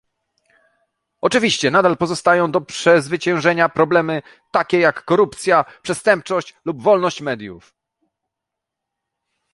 Oczywiście nadal pozostają do przezwyciężenia problemy, takie jak korupcja, przestępczość lub wolność mediów